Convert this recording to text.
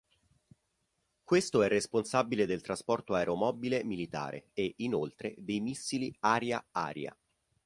Questo è responsabile del trasporto aeromobile militare e, inoltre, dei missili aria-aria.